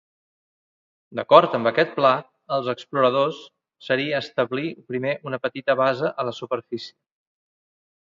D'acord amb aquest pla, els exploradors seria establir primer una petita base a la superfície.